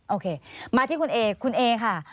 โอเคมาที่คุณเอคุณเอค่ะ